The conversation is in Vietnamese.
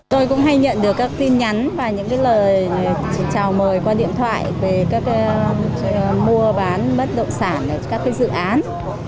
tôi cũng hay nhận được các tin nhắn và những lời chào mời qua điện thoại về các mua bán bất động sản các dự án